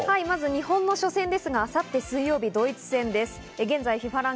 日本の初戦ですが、明後日・水曜日、ドイツ戦です。